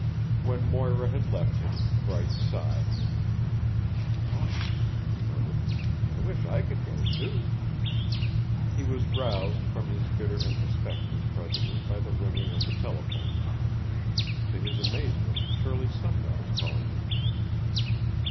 When Moira had left him, Bryce sighed. "Gosh!" he murmured. "I wish I could go, too." He was roused from his bitter introspections presently by the ringing of the telephone. To his amazement Shirley Sumner was calling him!